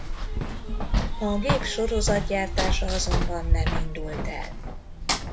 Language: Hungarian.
A gép sorozatgyártása azonban nem indult el.